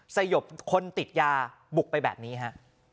สยบคนติดยาบุกไปแบบนี้ฮะ